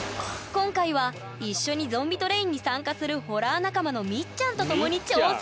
今回は一緒にゾンビトレインに参加するホラー仲間のみっちゃんと共に挑戦！